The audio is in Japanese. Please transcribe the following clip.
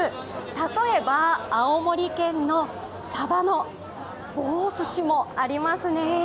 例えば、青森県のさばの棒すしもありますね。